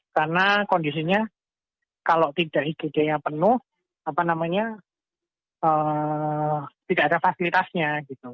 karena kondisinya kalau tidak igd nya penuh tidak ada fasilitasnya